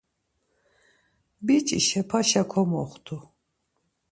Biç̌i şepaşa komoxtu.